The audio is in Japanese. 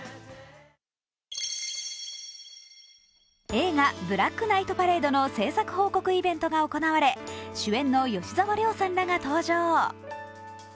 映画「ブラックナイトパレード」の製作報告イベントが行われ主演の吉沢亮さんらが登場。